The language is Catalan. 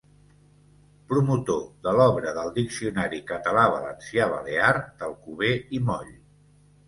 Promotor de l'Obra del Diccionari català-valencià-balear, d'Alcover i Moll.